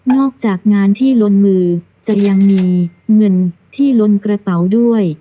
อกจากงานที่ลนมือจะยังมีเงินที่ลนกระเป๋าด้วย